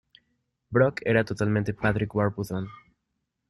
Brock era totalmente Patrick Warburton.